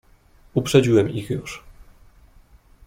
"Uprzedziłem ich już."